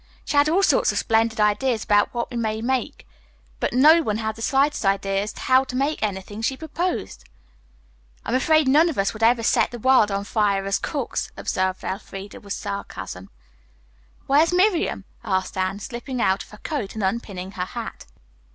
"She had all sorts of splendid ideas about what we might make, but no one had the slightest idea as to how to make anything she proposed." "I am afraid none of us would ever set the world on fire as cooks," observed Elfreda with sarcasm. "Where's Miriam?" asked Anne, slipping out of her coat and unpinning her hat.